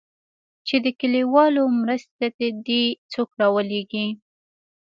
چې د کليوالو مرستې ته دې څوک راولېږي.